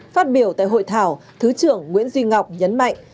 phát biểu tại hội thảo thứ trưởng nguyễn duy ngọc nhấn mạnh